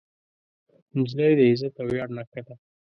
نجلۍ د عزت او ویاړ نښه ده.